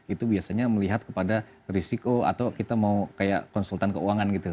itu biasanya melihat kepada risiko atau kita mau kayak konsultan keuangan gitu